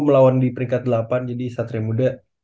lawan di peringkat delapan jadi satria muda